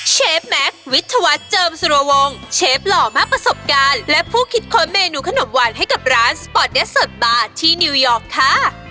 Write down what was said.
แม็กซ์วิทยาวัฒน์เจิมสุรวงศ์เชฟหล่อมากประสบการณ์และผู้คิดค้นเมนูขนมหวานให้กับร้านสปอร์ตเดสสดบาร์ที่นิวยอร์กค่ะ